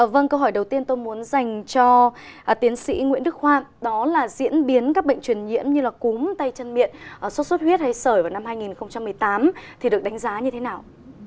vâng câu hỏi đầu tiên tôi muốn dành cho tiến sĩ nguyễn đức khoan đó là diễn biến các bệnh truyền nhiễm như cúm tay chân miệng sốt xuất huyết hay sởi vào năm hai nghìn một mươi tám thì được đánh giá như thế nào